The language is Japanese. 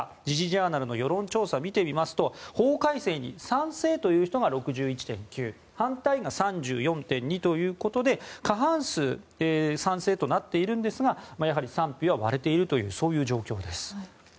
「時事ジャーナル」の世論調査を見てみますと法改正に賛成という人が６１．９％反対が３４．２％ということで過半数は賛成となっているんですがやはり賛否は割れているというそういう状況です。